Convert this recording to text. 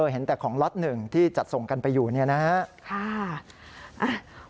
เห็นแต่ของล็อต๑ที่จัดส่งกันไปอยู่เนี่ยนะฮะ